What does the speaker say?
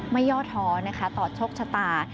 ไม่ยอดท้อนต่อโชคชะตา